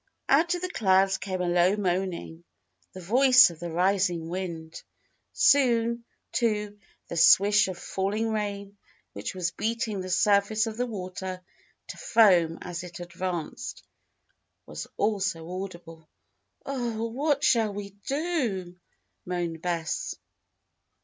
Out of the clouds came a low moaning the voice of the rising wind. Soon, too, the swish of falling rain, which was beating the surface of the water to foam as it advanced, was also audible. "Oh! what shall we do?" moaned Bess.